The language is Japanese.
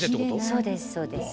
そうですそうです。